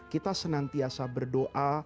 kita senantiasa berdoa